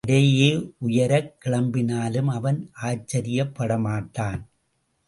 தரையே உயரக் கிளம்பினாலும் அவன் ஆச்சரியப் படமாட்டான்.